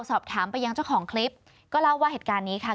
สอบถามไปยังเจ้าของคลิปก็เล่าว่าเหตุการณ์นี้ค่ะ